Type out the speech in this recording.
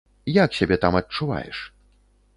Як сябе там адчуваеш?